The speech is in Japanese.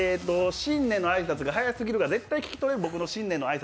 新年の挨拶が早過ぎるから絶対に聞き取れん、新年の挨拶。